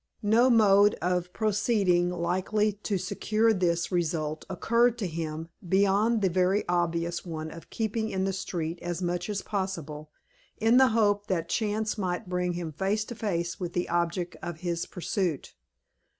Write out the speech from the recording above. No mode of proceeding likely to secure this result occurred to him, beyond the very obvious one of keeping in the street as much as possible, in the hope that chance might bring him face to face with the object of his pursuit.